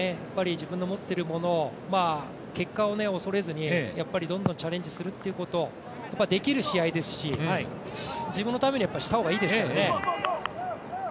自分の持っているものを結果を恐れずにどんどんチャレンジすること、できる試合ですし、自分のためにした方がいいですからね。